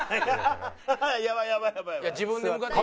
やばいやばいやばいやばい。